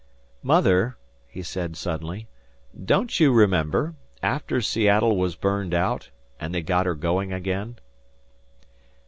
"Mother," he said suddenly, "don't you remember after Seattle was burned out and they got her going again?"